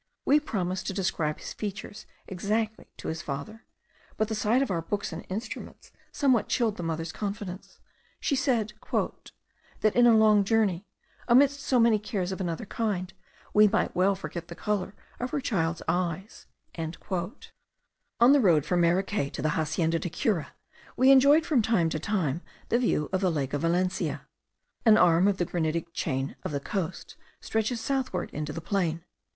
We promised to describe his features exactly to his father, but the sight of our books and instruments somewhat chilled the mother's confidence. She said "that in a long journey, amidst so many cares of another kind, we might well forget the colour of her child's eyes." On the road from Maracay to the Hacienda de Cura we enjoyed from time to time the view of the lake of Valencia. An arm of the granitic chain of the coast stretches southward into the plain.